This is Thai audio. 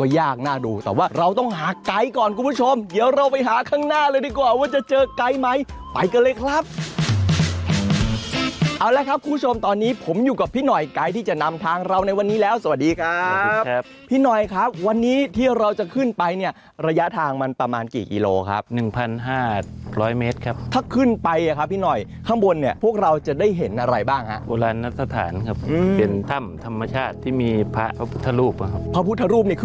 ก็ยากน่าดูแต่ว่าเราต้องหาไกด์ก่อนคุณผู้ชมเดี๋ยวเราไปหาข้างหน้าเลยดีกว่าว่าจะเจอไกด์ไหมไปกันเลยครับเอาละครับคุณผู้ชมตอนนี้ผมอยู่กับพี่หน่อยไกด์ที่จะนำทางเราในวันนี้แล้วสวัสดีครับสวัสดีครับพี่หน่อยครับวันนี้ที่เราจะขึ้นไปเนี่ยระยะทางมันประมาณกี่กิโลครับ๑๕๐๐เมตรครับถ้าขึ้นไปอะครับพี่หน่อยข้